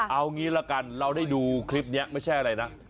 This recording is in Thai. เอางี้ละกันเราได้ดูคลิปนี้ไม่ใช่อะไรนะ